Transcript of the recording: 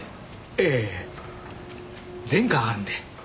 ええ前科があるんで。